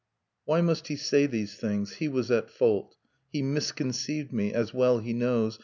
(Why must he say these things? He was at fault. He misconceived me ... as well he knows